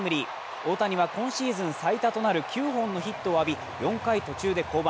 大谷は今シーズン最多となる９本のヒットを浴び４回途中で降板。